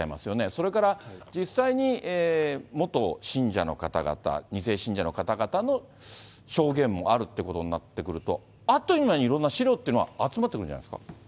それから実際に元信者の方々、２世信者の方々の証言もあるっていうことになってくると、あっという間にいろんな資料というものは集まってくるんじゃないですか。